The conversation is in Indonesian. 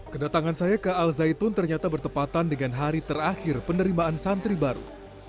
kedatangan saya ke al zaitun ternyata bertepatan dengan hari terakhir penerimaan santri baru